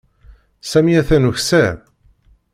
Sami atan ukessar.